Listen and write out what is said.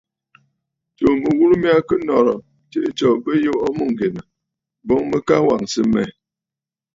Tsuu mɨghurə mya kɨ nɔ̀rə̀, tsiʼì tsǒ bɨ yɔʼɔ mûŋgen, boŋ mɨ ka wàŋsə mmɛ̀.